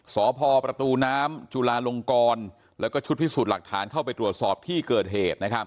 สพประตูน้ำจุลาลงกรแล้วก็ชุดพิสูจน์หลักฐานเข้าไปตรวจสอบที่เกิดเหตุนะครับ